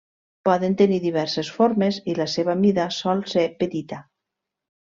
Poden tenir diverses formes, i la seva mida sol ser petita.